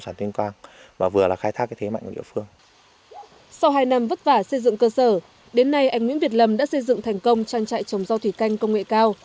sau hai năm vất vả xây dựng cơ sở đến nay anh nguyễn việt lâm đã xây dựng thành công trang trại trồng rau thủy canh công nghệ cao